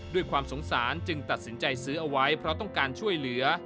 ด้วยความสงสารจึงตัดสินใจซื้อเอาไว้เพราะต้องการช่วยเหลือ